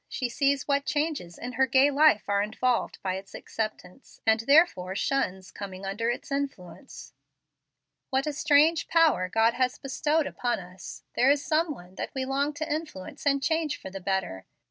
She sees what changes in her gay life are involved by its acceptance; and therefore shuns coming under its influence." What a strange power God has bestowed upon us! There is some one that we long to influence and change for the better.